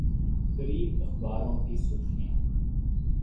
قریب اخباروں کی سرخیاں